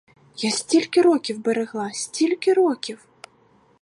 Я стільки років берегла, стільки років!